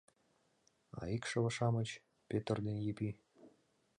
А икшыве-шамыч — Пӧтыр ден Епи?..